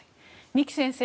二木先生